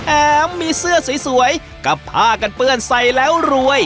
มีเสื้อสวยกับผ้ากันเปื้อนใส่แล้วรวย